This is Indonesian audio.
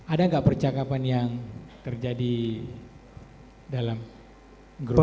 ada gak percakapan yang terjadi dalam grup ini